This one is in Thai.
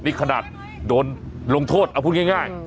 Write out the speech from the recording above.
นี่ขนาดโดนลงโทษเอาพูดง่าย